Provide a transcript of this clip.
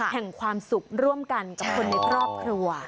แห่งความสุขร่วมกันกับคนในครอบครัว